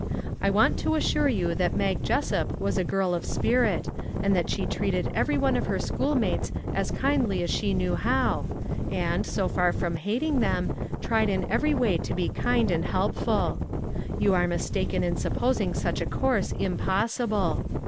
I want to assure you that Mag Jessup was a girl of spirit, and that she treated every one of her schoolmates as kindly as she knew how, and, so far from hating them, tried in every way to be kind and helpful. You are mistaken in sup posing such a course impossible.